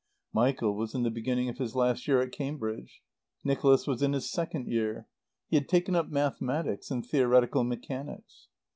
Michael was in the beginning of his last year at Cambridge. Nicholas was in his second year. He had taken up mathematics and theoretical mechanics.